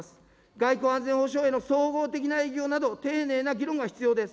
外交・安全保障への総合的な影響など、丁寧な議論が必要です。